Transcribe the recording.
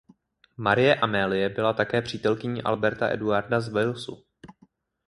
Marie Amélie byla také přítelkyní Alberta Eduarda z Walesu.